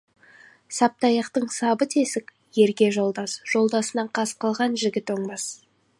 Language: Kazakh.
Саптыаяқтың сабы тесік, ерге жолдас, жолдасына қас қылған жігіт оңбас.